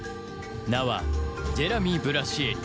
名はジェラミー・ブラシエリ